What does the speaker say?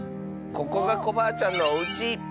ここがコバアちゃんのおうち！